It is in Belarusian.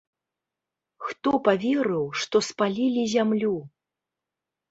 Хто паверыў, што спалілі зямлю?